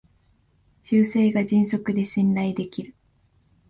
修正が迅速で信頼できる